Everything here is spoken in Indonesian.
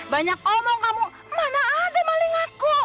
banyak omong kamu mana ada maling aku